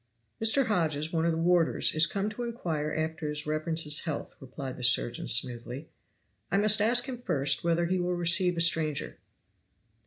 "Mr. Hodges, one of the warders, is come to inquire after his reverence's health," replied the surgeon smoothly. "I must ask him first whether he will receive a stranger."